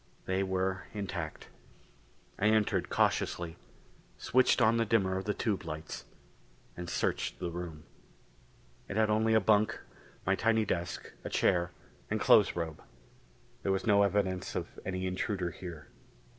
They were intact. I entered cautiously, switched on the dimmer of the tube lights, and searched the room. It had only a bunk, my tiny desk, a chair and clothes robe. There was no evidence of any intruder here.